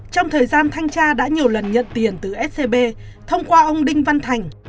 trong thời gian thanh tra đã nhiều lần nhận tiền từ scb thông qua ông đinh văn thành